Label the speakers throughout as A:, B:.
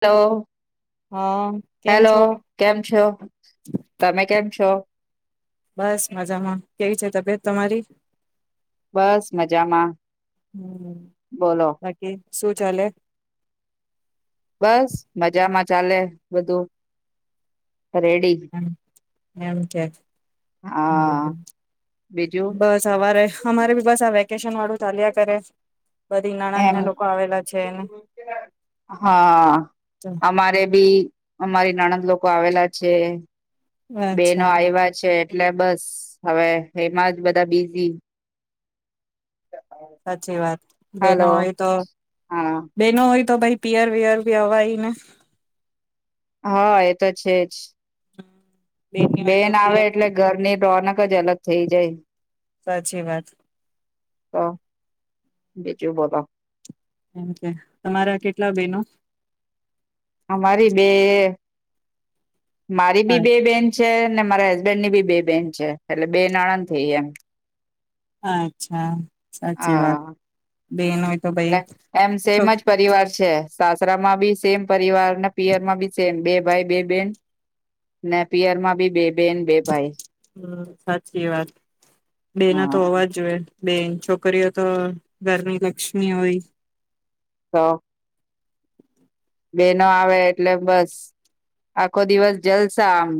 A: તો?
B: હા કેમ
A: હેલો
B: છો?
A: કેમ છો? તમે કેમ છો?
B: બસ મજામાં, કેવી છે તબિયત તમારી?
A: બસ મજામાં.
B: હમ્મ
A: બોલો
B: બાકી શું ચાલે?
A: બસ મજામાં ચાલે બધું. રેડી.
B: એમ કે
A: હા બીજું
B: બસ અરે અમારે ભી બસ હવે વેકેશન વાળું ચાલ્યા કરે. બધી નણંદ
A: એમ
B: ને લોકો આવેલા છે ને
A: હા,
B: તો
A: અમારે બી અમારી નણંદ લોકો આવેલા છે બેનો
B: અચ્છા
A: આવ્યા છે એટલે બસ હવે એમાં જ બધા બિઝી.
B: સાચી વાત બેનો
A: હલો
B: હોય તો,
A: હા
B: બેનો હોય તો ભાઈ પિયર વિયર ભી અવાયને.
A: હા એ તો છે જ.
B: બેની હોય તો
A: બેન આવે
B: પિયર
A: એટલે ઘરની રોનક એક જ અલગ થઈ જાય.
B: સાચી વાત.
A: તો બેજું બોલો.
B: એમ કે તમારા કેટલા બેનો
A: આ મારી બે મારી બી બે બેન છે મારા હસબેન્ડ ની બી બેન છે એટલે બે નણંદ થઈ એમ.
B: અચ્છા. સાચી વાત
A: હા
B: બેન હોય તો ભાઈ
A: એટ એમ
B: છો
A: સેમ જ પરિવાર છે. સાસરા માં બી સેમ પરિવાર ને પિયર માં બી સેમ બે ભાઈ બે બેન ને પિયર માં બી બે બેન બે ભાઈ
B: હમ્મ, સાચી વાત બે ના તો
A: હા
B: હોવાજ જોઈએ. બે છોકરીઓ તો ઘરની લક્ષ્મી હોય.
A: હા. બેનો આવે એટલે બસ આખો દિવસ જલસા આમ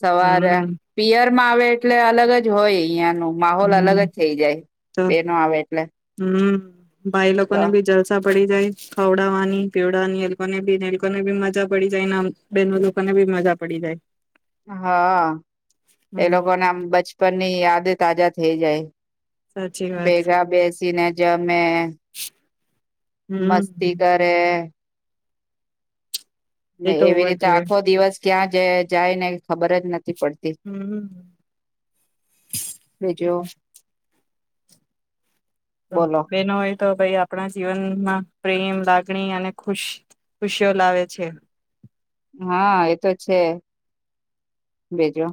A: સવારે
B: હમ
A: પિયર મા આવે એટલે અલગ જ હોય અહિયાં નુ. માહોલ અલગ
B: હમ
A: જ થઇ જાય
B: તો
A: બેનો આવે એટલે.
B: હમ ભાઈ લોકો
A: તો
B: ને ભી જલસા. પડી જાય ખવડાવવાની પીવડાની એ લોકોને બી એ લોકોને બી મજા પડી જાય ને બેનો લોકોને બી મજા પડી જાય.
A: હા એ
B: હમ
A: લોકો નામ બચપન ની યાદ તાજા થઈ જાય.
B: સાચી વાત
A: ભેગા બેસી ને ને મસ્તી
B: હમ
A: કરે. ને
B: એ તો
A: એવી
B: હોવા જ
A: રીતે
B: જોઈએ
A: આખો દિવસ ત્યાં જ જાય ને ખબર જ નથી પડતી.
B: હમ
A: બીજું
B: તો
A: બોલો
B: બેનો હોય. તો ભાઈ આપણા જીવનમાં પ્રેમ લાગણી અને ખુશ ખુશીઓ લાવે છે.
A: હા એતો છે બીજુ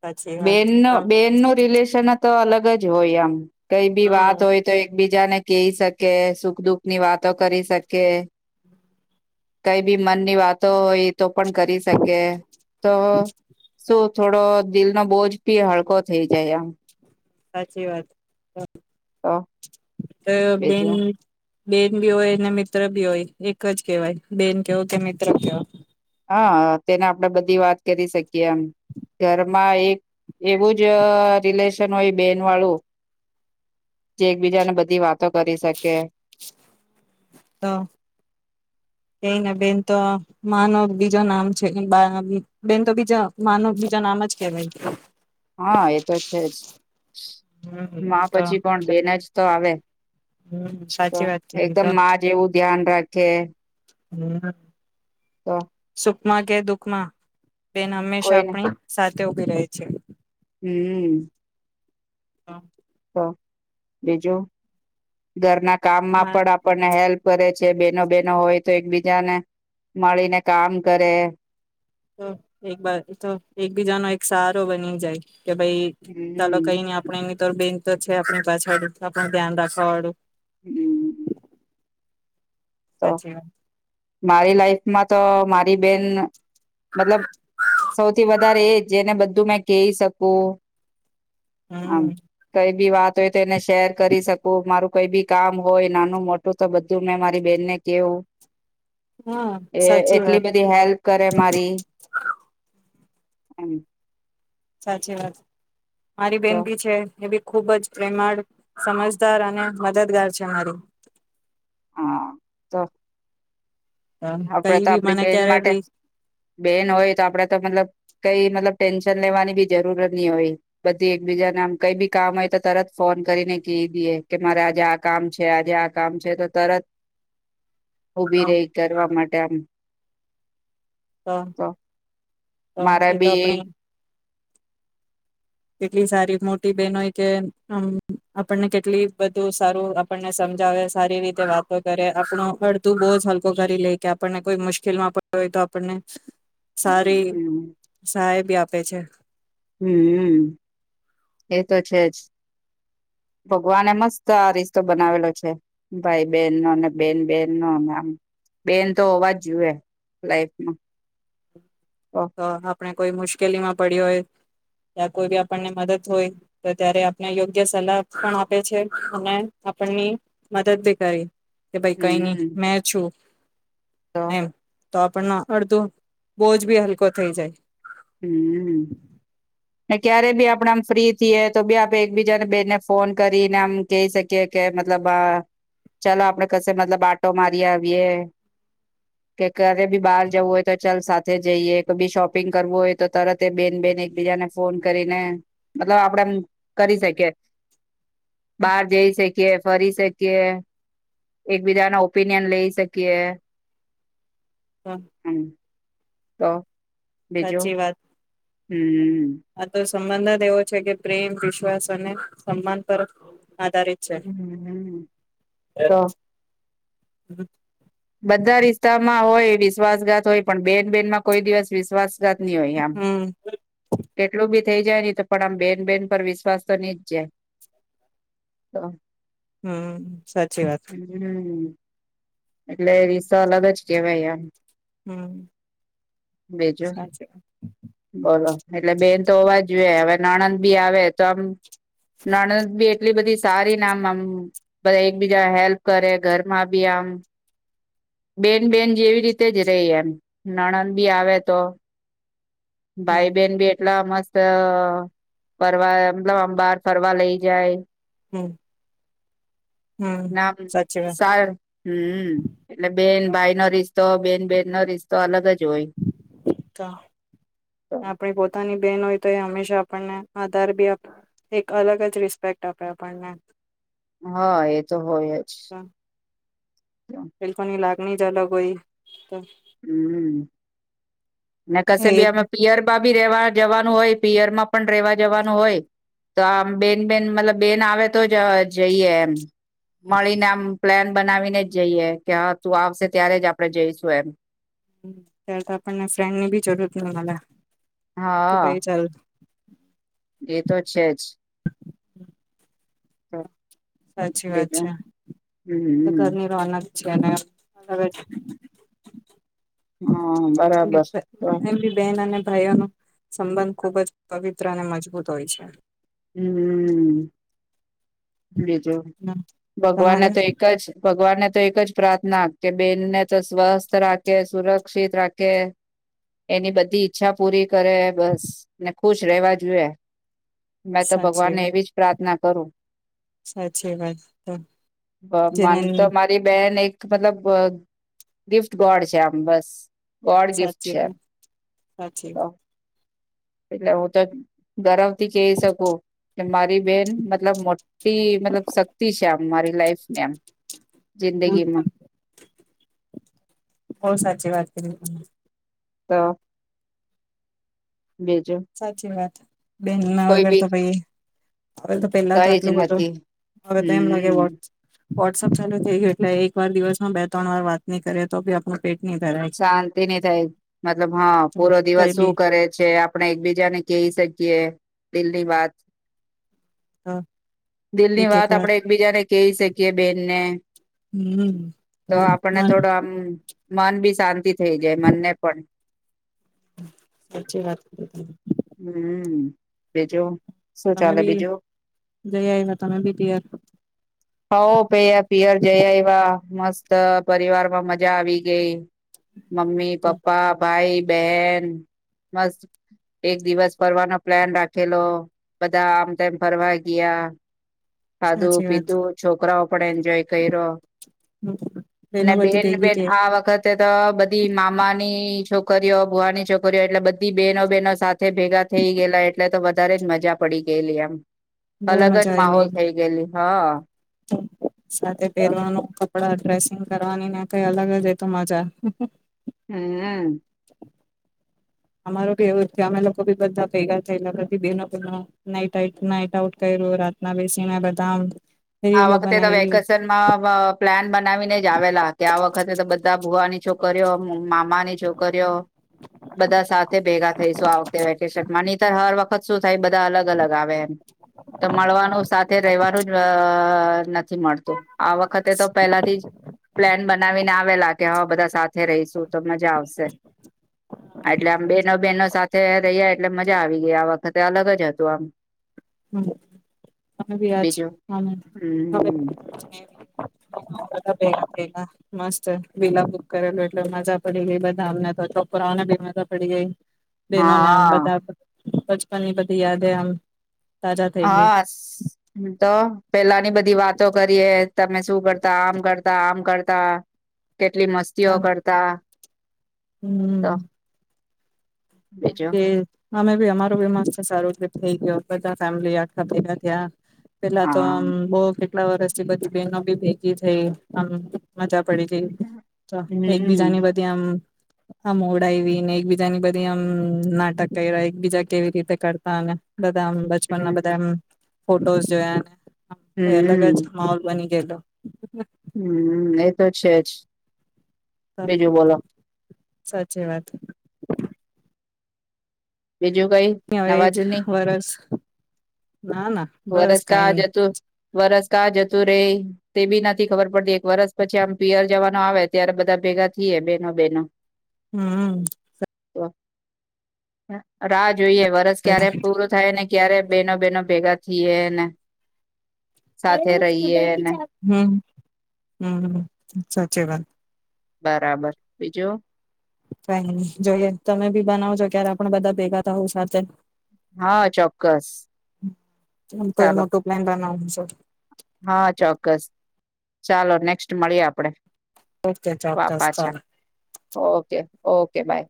B: સાચી વાત
A: બેન ન બેન નું રિલેશન હત તો અલગ જ હોય એમ. કઈ બી વાત
B: હમ
A: હોય તો એકબીજા ને કઈ શકે સુખ દુઃખ ની વાતો કરી શકે કઈ બી મન ની વાતો હોય તો પણ કરી શકે તો શું થોડો દિલ નો બોજ પી હળકો થઈ જાય.
B: સાચી વાત.
A: તો.
B: એ બેન
A: બીજું
B: બેન બી હોય અને મિત્ર બી હોય એક જ કેહેવાય બેન કેહવો કે મિત્ર કેવો.
A: હા તેને આપણેે બધી વાત કરી શકીએ એમ ઘરમાં એક એવું જ રિલેશ હોય બેન વાળું જે એકબીજાને બધી વાતો કરી શકે.
B: તો કઈને બેન તો માનો બીજું નામ છે બેન તો બીજા માનો બીજા નામ જ કેવાય.
A: હા એ તો છે જ.
B: હમ હમ
A: પછી પણ બેન જ તો આવે, તો
B: સાચી વાત કીધી
A: એકદમ
B: તો
A: માં જેવું ધ્યાન રાખ કે
B: [unintelligible]
A: તો
B: સુખમા કે દુખમા બેન હંમેશા
A: કોઈને
B: આપણી સાચ તે ઉ કી રહે છે.
A: હમ્મ.
B: હા.
A: બીજું, ઘરના કામમાં પણ આપણને હેલ્પ કરે છે બેનો બેનો હોય તો એકબીજાને, મળીને કામ કરે.
B: તો એક તો એકબીજાનો એક સહારો બની જાય. કે ભાઈ ચાલો
A: હમ
B: કઈ નઈ આપણે એ બેન તો છે આપણી પાછાળ પણ ધ્યાન રાખવા વાળું.
A: હમ્મ. તો,
B: સાચી વાત
A: મારી લાઈફમાં તો મા હરીબેન મતલબ સૌથી વધારે એ જેને બધું મેં કહી શકું.
B: હમ્મ.
A: ભી વાત હોય તો એને શેર કરી શકું, મારું કોઈ બી કામ હોય નાનું મોટું તો બધું મેં મા મારી બેનને કેવું.
B: હા
A: એ
B: સાચી
A: એટલી
B: વાત
A: બધી હેલ્પ કરે મારી હમ્મ.
B: સાચી વાત. મારી
A: તો
B: બેન ભી છે, એ બી ખુબ જ પ્રેમાળ, સમજદાર અને મદદગાર છે મારી.
A: હા તો.
B: અ
A: આપડે
B: કઈ
A: તો
B: બી
A: આપડી
B: મને
A: બેન
B: ક્યારે
A: માટે
B: બી
A: બેન હોય તો આપડે તો મતલબ કઈ મતલબ ટેન્શન લેવાની બી જરૂરત નહી હોય, બધી એકબીજા ના આમ કઈ બી કામ હોય તો તરત ફોન કરીને ક દઈએ કે મારે આજે આ કામ છે આજે આ કામ છે તો તરત
B: અ
A: ઉબીરે. કરવા માટે આમ.
B: અ
A: તો
B: અ
A: મારા
B: એ તો
A: બી
B: આપણી કેટલી સારી મોટી બેહેન હોય કે આપણને કેટલી બધું સારું, આપણને સમજાવે સારી રીતે વાતો કરે, આપણો અડધું બોજ જ હલકો કરી લે, કે આપણને કોઈ મુશ્કેલમાં પડ હોય તો આપણને સારી
A: હમ
B: સાહેબ બી આપે છે.
A: હમ્મ, હમ્મ, એ તો છેજ. ભગવાનએ મસ્ત આ રિસ્તો બનાવેલો છે, ભાઈ બેહેન નો, ને બેન બેન નો ને આમ. બેન તો હોવાજ જોુએ લાઈફમાં
B: તો આપણે કોઈ મુશ્કેલી માં પડિયો હોય, ત્યા કોઈ બી આપણને મદદ હોય, તો ત્યારે આપને યોગ્ય સલાહ પણ આપે છે અને આપણની મદદ ભી કરી કે ભાઈ કઈ નઈ,
A: હમ
B: મેં છું.
A: તો
B: એમ તો આપણને અડધું બોજ બી હલ કુ થઈ જાય.
A: હમ્મ. ને ક્યારે બી આપણેે આમ ફ્રી થએે, તો બી આપેડે એકબીજાને બેને ફોન કરીને આમ કહી શકીએ કે મતલબ, ચાલો આપડ કશે મતલબ આટો મારી આવીએ કે ક્યારે બી બહાર જવું હોય તો ચાલ સાથે જઈએ કો બી શોપિંગ કરવું હોય તો તરત બેન બેન એકબીજાને ફોન કરીને, મતલબ આપણે કરી શકીએ, બહાર જઈ શકીએ, ફરી શકીએ, એકબીજાના ઓપિનિયન લઈ શકીએ.
B: હા
A: હમ્મ. તો
B: સાચી વાત
A: હમ્મ.
B: સંબંધજ એવો છે, કે પ્રેમ, વિશ્વાસ અને સમ્માન પર આધારિત છે
A: હમ્મ, હમ્મ, તો
B: [inaudible]
A: બધા રિસ્તામાં હોય વિશ્વાસઘાત હોય, પણ બેન બેહેનમાં કોઈ દિવસ વિશ્વાસ ઘાત ની હોય આમ,
B: હમ
A: કેટલું બી થઈ જાય ની તો, પણ આમ બેન બેન પર વિશ્વાસ તો નીજ જાય, તો
B: હમ્મ, સાચી વાત.
A: હમ એટલે રીસા અલગજ કેવાય આ
B: હમ્મ.
A: બીજું, બોલો એટલે બેન તો અવાજ જો હવે નણંદ બી આવે તો આમ, નણંદ બી એટલી બધી સારી ને આમ આમ બધા એકબીજા હેલ્પ કરે, ઘરમાં બી આમ બેન બેન જેવી રીતે જ રેહ એમ, નણંદ બી આવે તો
B: હમ
A: ભાઈ બેહેન ભી એટલા મસ્ત અહ ફરવા, મતલબ અહ બાર ફરવા લઈ જાય
B: હમ હમ
A: નામ,
B: સાચી
A: સાર, હમ્મ, એટલે બેન
B: વાત
A: ભાઈ નો રિ તો બેન બેન રિસ્તો અલગજ [inaudible]
B: આપડી પોતાની બેન હોય તો એ હંમેશા આપણને આધાર બી આપે, એક અલગજ રિસ્પેક્ટ આપે આપણને
A: હા એ તો હોય જ
B: તો એ [unintelligible]
A: હમ અને કશે
B: એ જ ને
A: ભી પિયરબ બી રેવા જવાનું હોય પિયરમાં પણ રેવા જવાનું હોય તો આમ બેન બેન મતલબ બેન આવે તો જ જઈએ એમ મળીને આમ પ્લાન બનાવીને જ જઈએ કે હા તું આવશે ત્યારે જ આપણેે જઈશું એમ
B: ત્યારે તો આપણને ફ્રેન્ડ ની ભી જરૂરત ની મલે કે
A: હા
B: ભાઈ ચાલ
A: એ તો છે જ [unintelligible]
B: સાચી વાત
A: બીજું
B: છે તો
A: હમ
B: ઘર ની રોનક છે ને [inaudible]
A: હા બરાબર
B: ભાઈઓ નો સંબંધ ખૂબ જ પવિત્ર અને મજબૂત હોય છે
A: હમ બીજું ભગવાનને
B: તમારે
A: તો એક જ ભગવાનને તો એક જ પ્રાર્થના કે બેનને તો સ્વસ્થ રાખે સુરક્ષિત રાખે એની બધી ઈચ્છા પૂરી કરે બસ ને ખુશ રહેવા જુએ મેં તો
B: સાચી
A: ભગવાનને
B: વાત
A: એવી જ પ્રાર્થના કરું
B: સાચી વાત તો જેને
A: મન તો મારી બેન એક મતલબ ગિફ્ટ ગોડ છે આમ બસ ગોડ ગિફ્ટ
B: સાચી
A: છે
B: વાત સાચી
A: [inaudible] તો એટલે હું તો ગરમ થી કહી શકું કે મારી બેન મતલબ મોટી મતલબ શક્તિ છે આમ મારી લાઈફની આમ જિંદગીમાં
B: [inaudible] બો સાચી વાત હમ હમ
A: તો બીજું
B: સાચી વાત [unintelligible]
A: કોઈ
B: વગર
A: બી
B: તો ભાઈ હવે તો પેલા તો
A: દહેજ
B: આટલું બધું
A: નથી
B: હવે તો એમ લાગે
A: હમ
B: વોટ વોટ્સઅપ ચાલુ થઈ ગયું એટલે એક વાર દિવસમાં બે ત્રણ વાર વાત ની કરીએ તો બી આપ
A: શાંતિ ની થાય મતલબ હા પૂરો
B: કઈ
A: દિવસ શું
B: બી
A: કરે છે આપડે એકબી બીજાને કહી શકીએ દિલની વાત
B: તો
A: દિલની
B: એક એક
A: વાત
B: વાર
A: આપણેે એકબીજાને કહી શકીએ બેન ને. તો આપણને
B: હમ
A: થોડું આમ.. માન બી. શાંતિ થઈ જાય મનને પણ.
B: સાચી વાત કરી.
A: હમ બીજુ. શું
B: તમે
A: ચાલે
B: બી
A: બીજું?
B: જઈ આવ્યા તમે બી તૈયાર
A: હ પયા પિયર જયા એવા. મસ્ત પરિવાર માં મજા આવી ગઈ. મમ્મી પપ્પા ભાઈ. બેન મસ્ત. એક દિવસ ફરવાનો પ્લાન રાખેલો બધા આમ તેમ ફરવા ગયા. ખાધું
B: સાચી વાત
A: પીધું છોકરાઓ પણ એન્જોય કર્યો
B: બહેનો બધી
A: બેન
B: ભેગી
A: બેન
B: થ
A: આ વખત. તો બધી મામાની છોકરીઓ ભુવાની છોકરીઓ એટલે બધી બહેનો બહેનો સાથે ભેગા થઈ ગયેલા એટલે તો વધારે જ મજા પડી ગયેલી એમ.
B: બહુ
A: અલગ જ માહોલ થઈ ગયેલી. હા.
B: હમ. સાથે પહેરવાનું આપડા ડ્રેસિંગ કરવાની ને કઈ અલગ જ એ તો મજા.
A: હમ.
B: અમારો બી એવું અમે લોકો બધા ભેગા થયેલા બે નાટ નાટ નાટ આઉટ કર્યું રાતના બેસીને બધા.
A: આ
B: રીલો
A: વખતે તો
B: બનાયવી
A: વેકેશનમાં પ્લાન બનાવીને. આવેલા કે આ વખતે તો બધા ભુવાની છોકરીઓ મામાની છોકરીઓ બધા સાથે ભેગા થઈશું આ વખતે વેકેશનમા. માની તો હર વખત શું થાય બધા અલગ અલગ આવે એમ. તો મળવાનું સાથે રવાનું જ. નથી મળતું આ વખતે તો પેલાથી જ પ્લાન બનાવીને આવેલા કે હ બધા સાથે રહીશું તો મજા આવશે એટલે આમ બેનો બહેનો સાથે તે એટલે મજા આવી ગઈ આ વખતે અલગ જ હતું આમ.
B: હમ ત બી આજ
A: બીજું
B: હા. હમ.
A: હમ
B: બધા ભેગા ભેગા મસ્ત વિલા બુક કરેલું એટલે મજા પડી ગઈ બધા અમને તો ચોપરાઓને બી મજા પડી ગઈ. બેનોને આમ
A: હા
B: બધા. બચપન ની બધી યાદ હ આમ. તાજા થઈ ગઈ
A: હા તો પેલાની બધી. ની વાતો કરીએ. તમે શું કરતા આમ કરતા આમ કરતા કેટલી મસ્તીઓ કરતા તો
B: હમ
A: બીજો
B: અમે બી અમારો બી મસ્ત સારું એ થઈ ગયો બધા ફેમ આગા થયા પેલા તો
A: હા
B: આમ બઉ કેટલા વર્ષ બધી બહેનો બી ભેગી થઈમ મજા પડી ગઈ
A: હમ
B: તો એકબીજાની
A: હમ
B: બધી આમ હા મોડાઈવીને એક બીજાની બધી મ નાટક કર્યા એકબીજા કેવી રીતે કરતામે બધા આમ બચપનના બધા એમ ફોટોસ જોયા ને હમ ક એલગ જ માઉલ બની ગેલો
A: હમ એ તો છે જ
B: તો
A: હજું બોલો
B: સાચી વાત
A: બીજું કઈ નવા
B: હવેજ
A: જૂની
B: વરસ ના ના બસ
A: વરસ
B: કઈ
A: કા
B: નઈ
A: જતું વરસ ક જતું રે તે બી નથી ખબર પડતી એક વરસ પછી આમ પિયર જવાનો આવે ત્યારે બધા ભેગા થઈએ બેનો બેનો
B: હમ
A: [inaudible] જોઈએ વરષ ક્યારે પૂરું થાય ને ક્યારે બેનો બેનો ભેગા છી એને
B: અરે હું સ્કૂટરથી ચ હમ સાચી વાત
A: બરાબર બીજું
B: કઈ નહી જોઈએ તમે બી બનાવજો ક્યારે આપણે બધા ભેગા થ હો સાથે
A: હા ચોક્કસ
B: કોઈ
A: ચાલો
B: મોટું પ્લાન [inaudible]
A: હા ચોક્કસ ચાલો નેક્સ્ટ મળીએ આપડે
B: ઓકે
A: વા
B: ચોક્કસ
A: પાાછા
B: ચાલો
A: ઓકે ઓકે બાય